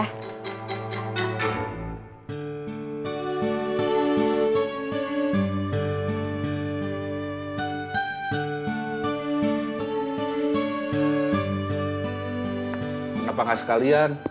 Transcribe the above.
kenapa gak sekalian